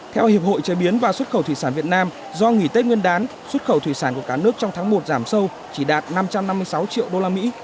theo hiệp hội chế biến và xuất khẩu thủy sản việt nam do nghỉ tết nguyên đán xuất khẩu thủy sản của cả nước trong tháng một giảm sâu chỉ đạt năm trăm năm mươi sáu triệu đô la mỹ